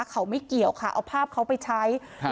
เขาไม่เกี่ยวค่ะเอาภาพเขาไปใช้ครับ